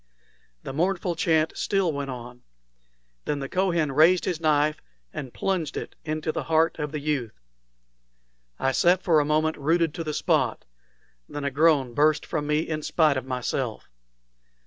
The mournful chant still went on. Then the Kohen raised his knife and plunged it into the heart of the youth. I sat for a moment rooted to the spot; then a groan burst from me in spite of myself.